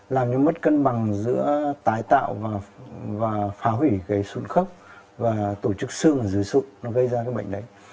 làm cho mất cân bằng giữa tái tạo và phá hủy cái sụn khớp và tổ chức xương ở dưới sụn nó gây ra cái bệnh đấy